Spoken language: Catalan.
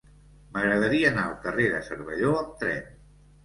M'agradaria anar al carrer de Cervelló amb tren.